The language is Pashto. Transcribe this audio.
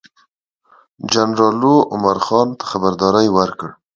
جنرال لو عمرا خان ته خبرداری ورکړ.